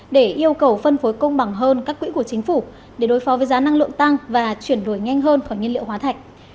để yêu cầu phân phối công bằng hơn các quỹ của chính phủ để đối phó với giá năng lượng tăng và chuyển đổi nhanh hơn khỏi nhiên liệu hóa thạch